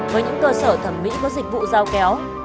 với những cơ sở thẩm mỹ có dịch vụ giao kéo